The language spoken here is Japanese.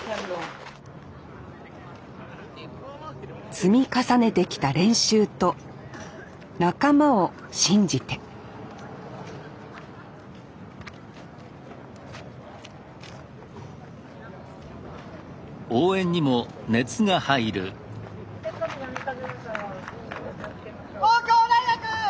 積み重ねてきた練習と仲間を信じて東京大学！